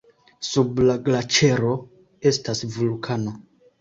Sub la glaĉero estas vulkano.